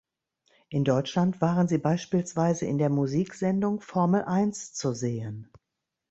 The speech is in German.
In Deutschland waren sie beispielsweise in der Musiksendung Formel Eins zu sehen.